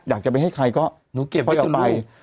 อยากจะไปให้ใครก็อยากไป